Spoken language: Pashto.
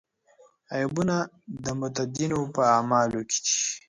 عیبونه د متدینو په اعمالو کې دي.